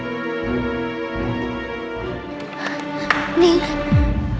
pening pening dimana